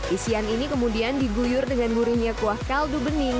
isian ini kemudian diguyur dengan gurihnya kuah kaldu bening